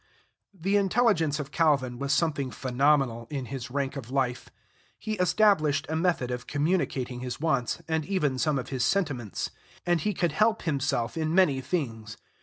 The intelligence of Calvin was something phenomenal, in his rank of life. He established a method of communicating his wants, and even some of his sentiments; and he could help himself in many things.